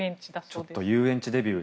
ちょっと遊園地デビュー